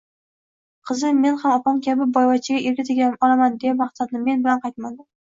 Qizim Men ham opam kabi boyvachchaga erga tega olaman, deb maqtandi, men bilan qaytmadi